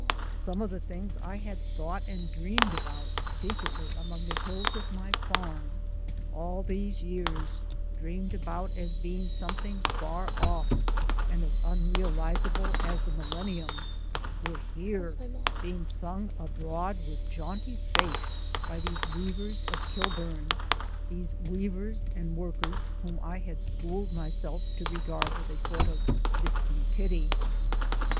Some of the things I had thought and dreamed about secretly among the hills of my farm all these years, dreamed about as being something far off and as unrealizable as the millennium, were here being sung abroad with jaunty faith by these weavers of Kilburn, these weavers and workers whom I had schooled myself to regard with a sort of distant pity.